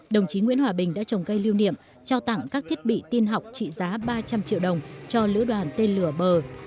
đồng chí nguyễn hòa bình đã trồng cây lưu niệm cho tặng các thiết bị tiên học trị giá ba trăm linh triệu đồng cho lữ đoàn tên lửa b sáu trăm tám mươi hai